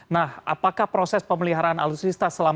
nah apakah proses pemeliharaan alutsista